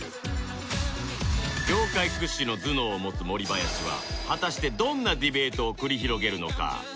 業界屈指の頭脳を持つ森林は果たしてどんなディベートを繰り広げるのか？